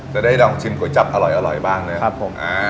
ได้ลองชิมก๋วยจับอร่อยบ้างนะครับผม